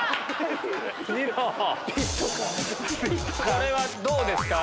これはどうですか？